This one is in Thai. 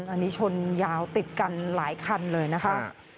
อันนี้ชนยาวติดกันหลายคันเลยนะคะ